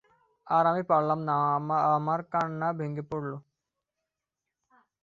আর আমি পারলুম না, আমার কান্না ভেঙে পড়ল।